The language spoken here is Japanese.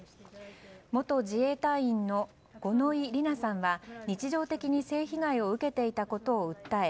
元自衛隊員の五ノ井里奈さんは日常的に性被害を受けていたことを訴え